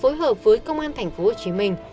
phối hợp với công an thành phố hồ chí minh